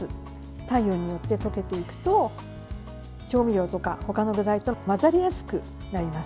体温によって溶けていくと調味料とか、他の具材と混ざりやすくなります。